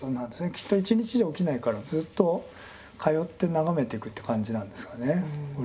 きっと１日じゃ起きないからずっと通って眺めていくっていう感じなんですかね。